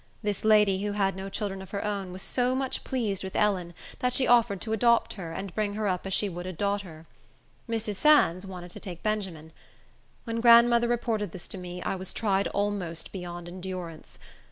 This lady, who had no children of her own, was so much pleased with Ellen, that she offered to adopt her, and bring her up as she would a daughter. Mrs. Sands wanted to take Benjamin. When grandmother reported this to me, I was tried almost beyond endurance.